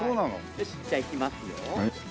よしじゃあ行きますよ。